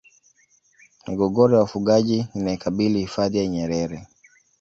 migogoro ya wafugaji inaikabili hifadhi ya nyerere